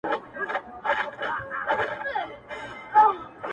په دريو مياشتو به يې زړه په خلكو سوړ كړ،